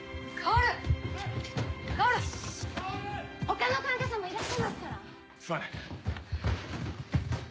・他の患者さんもいらっしゃいますから！すまねえ。